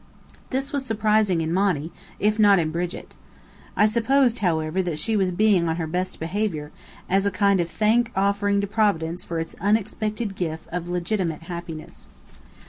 This was surprising in Monny, if not in Brigit. I supposed, however, that she was being on her best behaviour, as a kind of thank offering to Providence for its unexpected gift of legitimate happiness.